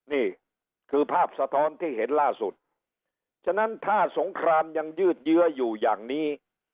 นี่คือภาพสะท้อนที่เห็นล่าสุดฉะนั้นถ้าสงครามยังยืดเยื้ออยู่อย่างนี้